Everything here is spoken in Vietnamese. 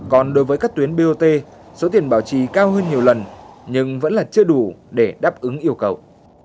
còn đối với các tuyến bot số tiền bảo trì cao hơn nhiều lần nhưng vẫn là chưa đủ để đáp ứng yêu cầu